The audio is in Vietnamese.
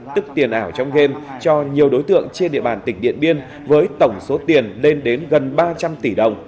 tức tiền ảo trong game cho nhiều đối tượng trên địa bàn tỉnh điện biên với tổng số tiền lên đến gần ba trăm linh tỷ đồng